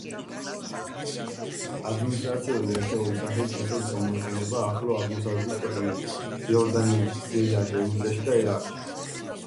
ადმინისტრაციული ერთეულის სახით დღესაც გამოიყენება ახლო აღმოსავლეთის ქვეყნებში: იორდანიაში, სირიაში, ეგვიპტეში და ერაყში.